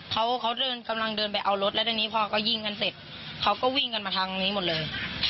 เขาเขาเดินกำลังเดินไปเอารถแล้วทีนี้พอก็ยิงกันเสร็จเขาก็วิ่งกันมาทางนี้หมดเลย